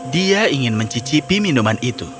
dia ingin mencicipi minuman itu